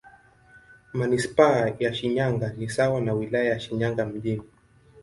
Manisipaa ya Shinyanga ni sawa na Wilaya ya Shinyanga Mjini.